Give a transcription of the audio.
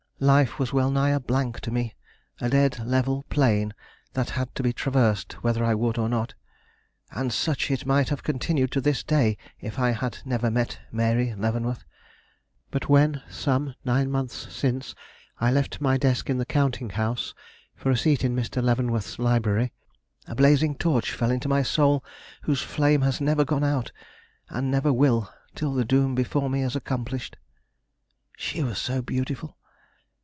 Life was well nigh a blank to me; a dead level plain that had to be traversed whether I would or not. And such it might have continued to this day if I had never met Mary Leavenworth. But when, some nine months since, I left my desk in the counting house for a seat in Mr. Leavenworth's library, a blazing torch fell into my soul whose flame has never gone out, and never will, till the doom before me is accomplished. She was so beautiful!